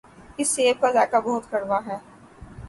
اس سیب کا ذائقہ بہت کڑوا ہے۔